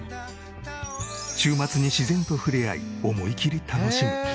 週末に自然と触れ合い思いきり楽しむ。